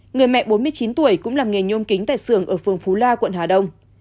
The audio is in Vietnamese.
người mẹ bốn mươi chín tuổi cũng làm nghề nhôm kính tại xưởng ở phường phú la quận hà đông